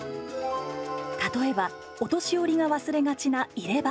例えば、お年寄りが忘れがちな入れ歯。